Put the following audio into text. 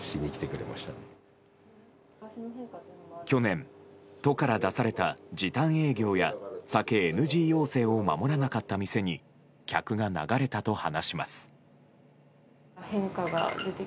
去年都から出された時短営業や酒ＮＧ要請を守らなかった店に客が流れたと話します。